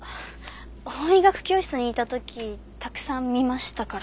法医学教室にいた時たくさん見ましたから。